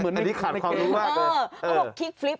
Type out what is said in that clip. เมื่อนอันนี้ขาดความรู้มากเลย